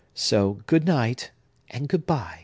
So, good night, and good by."